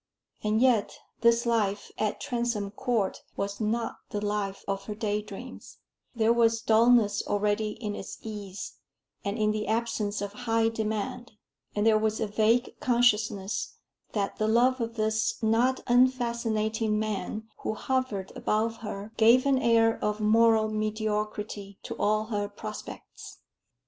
And yet, this life at Transome Court was not the life of her day dreams: there was dullness already in its ease, and in the absence of high demand; and there was a vague consciousness that the love of this not unfascinating man who hovered about her gave an air of moral mediocrity to all her prospects.